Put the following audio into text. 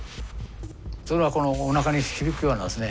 それはこのおなかに響くようなですね